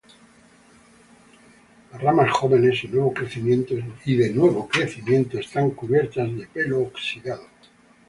Las ramas jóvenes y nuevo crecimiento están cubiertas de pelo oxidado.